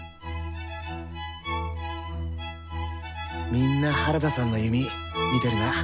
みんな原田さんの弓見てるな。